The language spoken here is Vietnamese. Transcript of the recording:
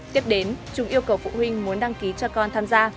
tiếp đến chúng yêu cầu phụ huynh muốn đăng ký cho con tham gia